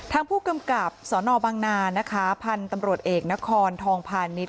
ทางผู้กำกับสนบังนานะคะพันธุ์ตำรวจเอกนครทองพาณิชย